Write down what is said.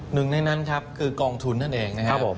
หนึ่งในนั้นครับคือกองทุนนั่นเองนะครับผม